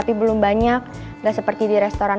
gimana kalau kita bergerak